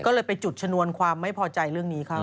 ก็เลยไปจุดชนวนความไม่พอใจเรื่องนี้เขา